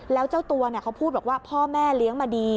แล้วเจ้าตัวเขาพูดบอกว่าพ่อแม่เลี้ยงมาดี